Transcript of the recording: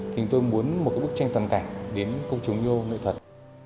thì tôi muốn một bức tranh tầm cảnh đến công chúng vô nghệ thuật